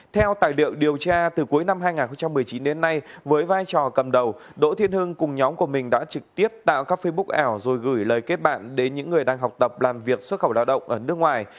theo tài liệu điều tra từ cuối năm hai nghìn một mươi chín đến nay với vai trò cầm đầu đỗ thiên hưng cùng nhóm của mình đã trực tiếp tạo các facebook ảo rồi gửi lời kết bạn đến những người đang học tập làm việc xuất khẩu lao động ở nước ngoài